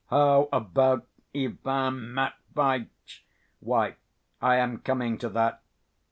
"How about Ivan Matveitch? Why, I am coming to that.